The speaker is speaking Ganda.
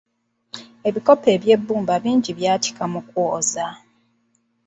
Ebikopo eby'ebbumba bingi byatika mu kwoza.